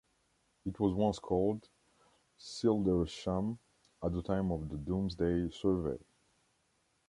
It was once called "Cildresham", at the time of the Domesday survey.